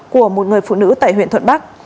của một người phụ nữ tại huyện thuận bắc